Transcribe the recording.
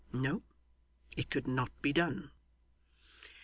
No. It could not be done.